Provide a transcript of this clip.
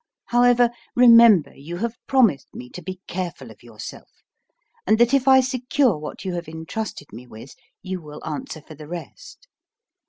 However, remember you have promised me to be careful of yourself, and that if I secure what you have entrusted me with, you will answer for the rest.